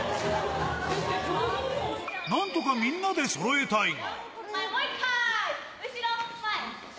何とか、みんなで揃えたいが。